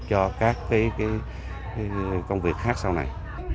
cho các cái công việc khác sau này